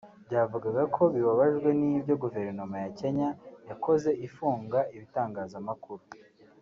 ryavugaga ko bibabajwe n’ibyo Guverinoma ya Kenya yakoze ifunga ibitangazamakuru